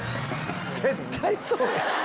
絶対そうや。